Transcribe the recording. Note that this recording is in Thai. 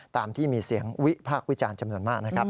ตามที่มีเสียงวิพากษ์วิจารณ์จำนวนมากนะครับ